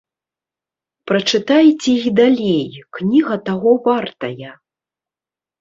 Прачытайце і далей, кніга таго вартая.